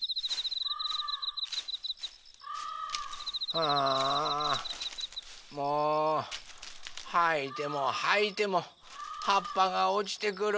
ああもうはいてもはいてもはっぱがおちてくる。